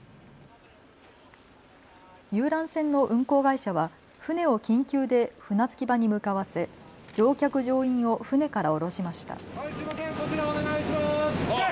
遊覧船の運航会社は船を緊急で船着き場に向かわせ乗客乗員を船から降ろしました。